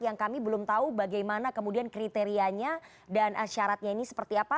yang kami belum tahu bagaimana kemudian kriterianya dan syaratnya ini seperti apa